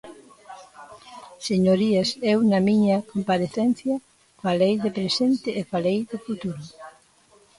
Señorías, eu, na miña comparecencia, falei de presente e falei de futuro.